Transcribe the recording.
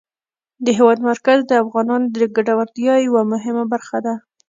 د هېواد مرکز د افغانانو د ګټورتیا یوه مهمه برخه ده.